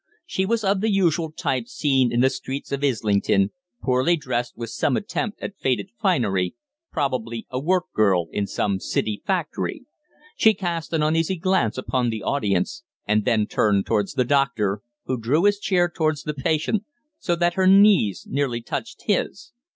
She was of the usual type seen in the streets of Islington, poorly dressed with some attempt at faded finery probably a workgirl in some city factory. She cast an uneasy glance upon the audience, and then turned towards the doctor, who drew his chair towards the patient so that her knees nearly touched his.